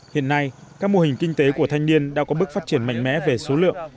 hiện nay các mô hình kinh tế của thanh niên đã có bước phát triển mạnh mẽ về số lượng